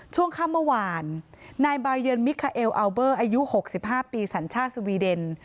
ช่วงค่ำเมื่อวานนายบายันมิคาเอลอัลเบอร์อายุ๖๕ปีสัญชาติสวีเดน